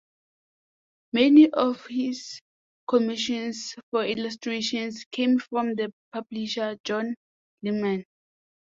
Many of his commissions for illustrations came from the publisher John Lehmann.